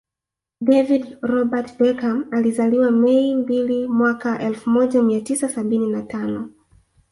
David Robert Beckham alizaliwa Mei Mbili mwaka elfu moja mia tisa sabini na tano